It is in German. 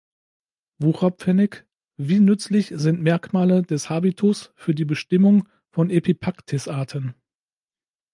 Wucherpfennig: "Wie nützlich sind Merkmale des Habitus für die Bestimmung von Epipactis-Arten?